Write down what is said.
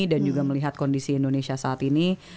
dan juga melihat kondisi indonesia saat ini